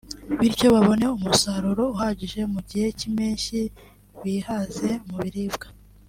bityo babone umusaruro uhagije mu gihe cy’impeshyi bihaze mu biribwa